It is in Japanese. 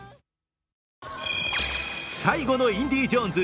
最後の「インディ・ジョーンズ」